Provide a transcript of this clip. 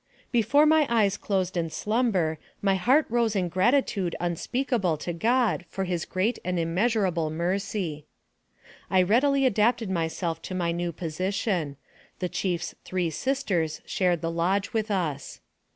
Before my eyes closed in slumber, my heart rose in gratitude unspeakable to God for his great and im measurable mercy. I readily adapted myself to my new position. The chief's three sisters shared the lodge with us.